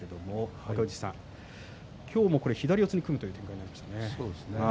若藤さん、今日も左四つに組むという展開になりましたね。